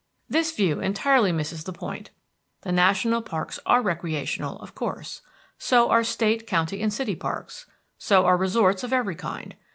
This view entirely misses the point. The national parks are recreational, of course. So are state, county and city parks. So are resorts of every kind.